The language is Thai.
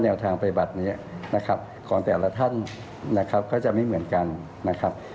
แนวทางตัดใบบัตรนี้ของแต่ละท่านเค้าจะไม่เหมือนกันน่ะครับ